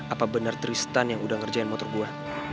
apa bener tristan yang udah ngerjain motor gue